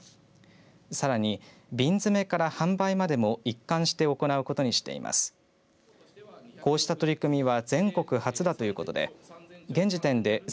さらに、瓶詰から販売までも一貫して行うことにしています。